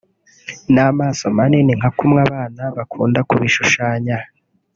n’amaso manini nka kumwe abana bakunda kubishushanya